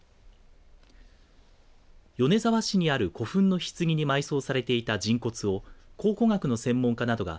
米沢市にある古墳のひつぎに埋葬されていた人骨を考古学の専門家などが